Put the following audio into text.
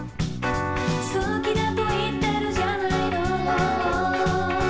「好きだと言ってるじゃないのＨＯＨＯ」